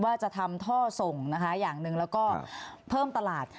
ว่าจะทำท่อส่งนะคะอย่างหนึ่งแล้วก็เพิ่มตลาด